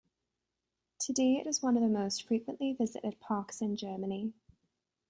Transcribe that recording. Today it is one of the most frequently visited parks in Germany.